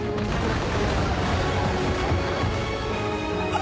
あ！